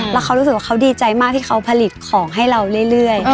แล้วเขารู้สึกว่าเขาดีใจมากที่เขาผลิตของให้เราเรื่อย